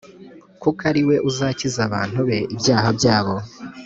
kuko ari we uzakiza abantu be ibyaha byabo